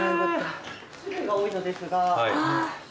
種類が多いのですが。